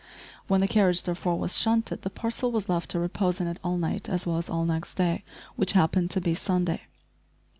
When the carriage therefore was shunted the parcel was left to repose in it all night as well as all next day, which happened to be Sunday.